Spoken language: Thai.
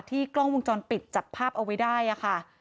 กล้องวงจรปิดจับภาพเอาไว้ได้ค่ะ